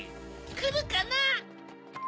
くるかな？